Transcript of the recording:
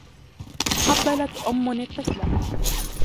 قبّلتْ أمٌّ الطفلَ.